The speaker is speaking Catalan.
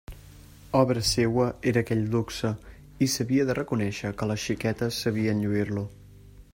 Obra seua era aquell luxe i s'havia de reconèixer que les xiquetes sabien lluir-lo.